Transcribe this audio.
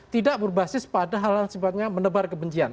tidak berbasis pada hal yang sifatnya menebar kebencian